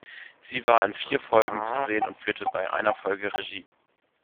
Sie war in vier Folgen zu sehen und führte bei einer Folge Regie.